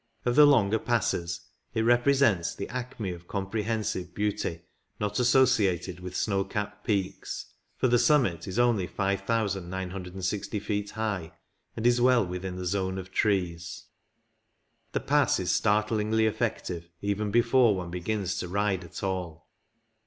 Of the longer Passes it represents the acme of comprehensive beauty not associated with snow capped peaks, for the summit is only 5,960 feet high, and is well within the zone of trees. The Pass is startlingly effective even before one begins to ride at all.